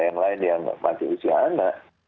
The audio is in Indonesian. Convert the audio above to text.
yang lain yang mati usia anak